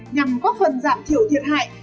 nhằm góp phần giảm thiểu thiệt hại